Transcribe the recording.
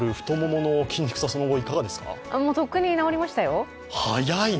もうとっくに治りましたよ。